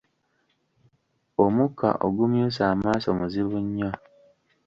Omukka ogumyusa amaaso muzibu nnyo.